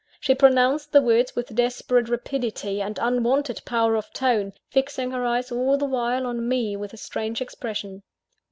She pronounced the words with desperate rapidity, and unwonted power of tone, fixing her eyes all the while on me with a very strange expression.